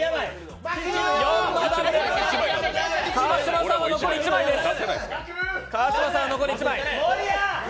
川島さんは残り１枚です。